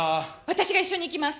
私が一緒に行きます！